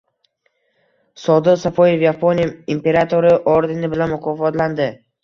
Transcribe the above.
Sodiq Safoyev Yaponiya imperatori ordeni bilan mukofotlanding